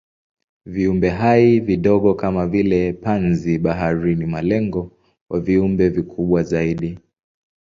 Viumbehai vidogo kama vile panzi-bahari ni malengo kwa viumbe vikubwa zaidi.